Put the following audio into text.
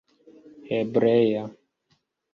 hebrea